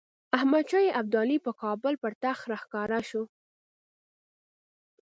احمدشاه ابدالي په کابل پر تخت راښکاره شو.